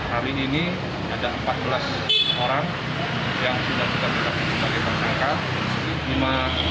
hari ini ada empat belas orang yang sudah kita tetapkan sebagai tersangka